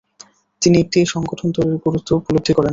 তিনি একটি সংগঠন তৈরির গুরুত্ব উপলব্ধি করেন।